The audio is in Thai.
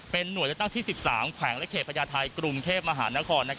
เป็นหน่วยตั้งที่๑๓แขวงและเขตพญาทัยกรุงเทพมหานคร